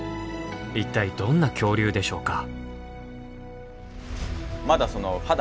一体どんな恐竜でしょうか？